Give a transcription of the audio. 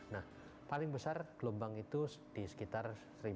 nah paling besar gelombang itu di sekitar seribu enam ratus seribu tujuh ratus seribu delapan ratus